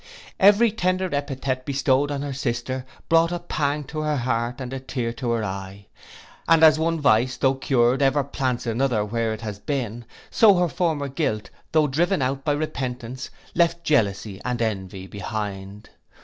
Every tender epithet bestowed on her sister brought a pang to her heart and a tear to her eye; and as one vice, tho' cured, ever plants others where it has been, so her former guilt, tho' driven out by repentance, left jealousy and envy behind.